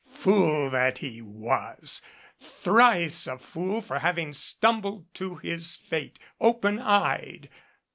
Fool that he was ! Thrice a fool for having stumbled to his fate, open eyed.